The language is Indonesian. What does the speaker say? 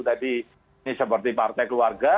tadi ini seperti partai keluarga